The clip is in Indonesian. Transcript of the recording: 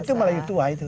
itu melayu tua itu